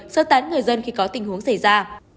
sơ tán người dân khi có tình huống xảy ra